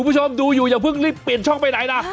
คุณผู้ชมดูอยู่อย่าเพิ่งรีบเปลี่ยนช่องไปไหนนะ